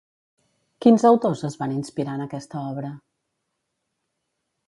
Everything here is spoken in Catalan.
Quins autors es van inspirar en aquesta obra?